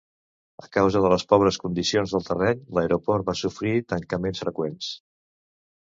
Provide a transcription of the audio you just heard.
A causa de les pobres condicions del terreny l'aeroport va sofrir tancaments freqüents.